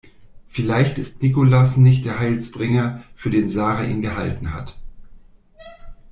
Vielleicht ist Nikolas nicht der Heilsbringer, für den Sarah ihn gehalten hat.